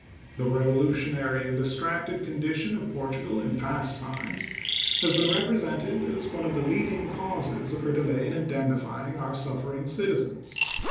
The revolutionary and distracted condition of Portugal in past times has been represented as one of the leading causes of her delay in indemnifying our suffering citizens.